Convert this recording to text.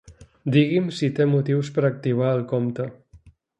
Digui'm si té motius per activar el compte.